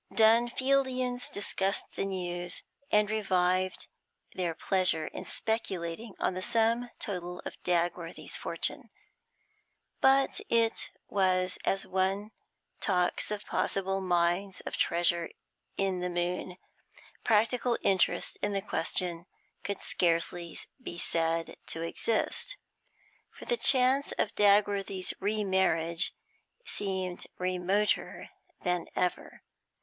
Dunfieldians discussed the news, and revived their pleasure in speculating on the sum total of Dagworthy's fortune. But it was as one talks of possible mines of treasure in the moon; practical interest in the question could scarcely be said to exist, for the chance of Dagworthy's remarriage seemed remoter than ever.